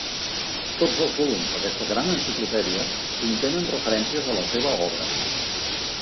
Tots els volums d'aquesta gran enciclopèdia contenen referències a la seva obra.